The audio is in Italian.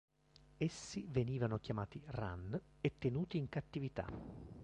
Essi venivano chiamati "ran" e tenuti in cattività.